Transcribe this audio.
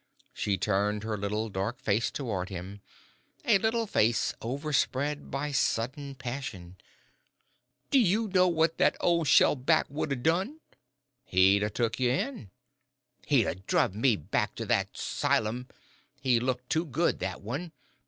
She turned her little dark face toward him, a little face overspread by sudden passion. "D'ye know what that ole shell back would 'a' done?" "He'd 'a' took ye in." "He'd 'a' druv me back to that 'sylum. He looked too good, that one.